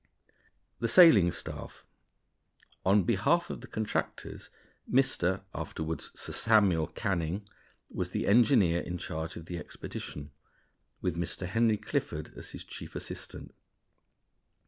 The Sailing Staff. On behalf of the contractors, Mr. (afterward Sir Samuel) Canning was the engineer in charge of the expedition, with Mr. Henry Clifford as his chief assistant.